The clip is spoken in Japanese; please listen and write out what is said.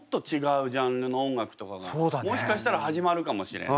もしかしたら始まるかもしれない。